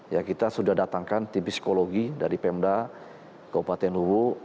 ya kita sudah datangkan tim psikologi dari pemda kabupaten luwu